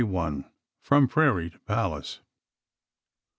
FROM PRAIRIE TO PALACE.